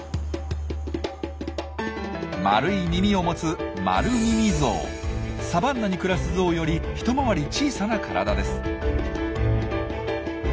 丸い耳を持つサバンナに暮らすゾウより一回り小さな体です。